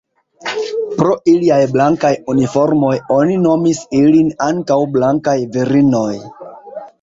Pro iliaj blankaj uniformoj oni nomis ilin ankaŭ Blankaj virinoj.